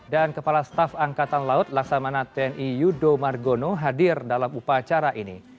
dan kepala staf angkatan laut laksamana tni yudo margono hadir dalam upacara ini